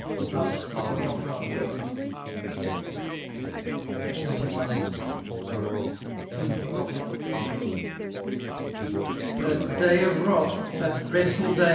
Thus the holy Fathers sung. XXXI. HTMN FOR THB OBAO. That day of wrath, that dreadful day.